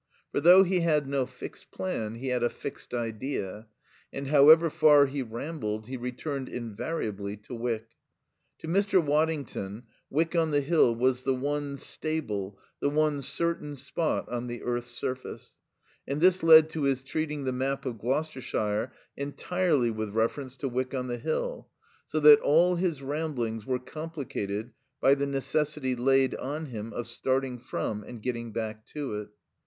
For though he had no fixed plan, he had a fixed idea, and however far he rambled he returned invariably to Wyck. To Mr. Waddington Wyck on the Hill was the one stable, the one certain spot on the earth's surface, and this led to his treating the map of Gloucestershire entirely with reference to Wyck on the Hill, so that all his ramblings were complicated by the necessity laid on him of starting from and getting back to it.